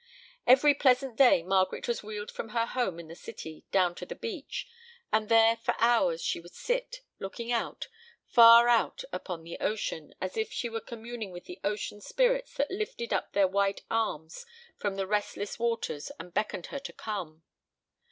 Every pleasant day Margaret was wheeled from her home in the city down to the beach, and there for hours she would sit, looking out, far out upon the ocean, as if she were communing with the ocean spirits that lifted up their white arms from the restless waters and beckoned her to come.